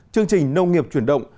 chương trình nông nghiệp chuyển động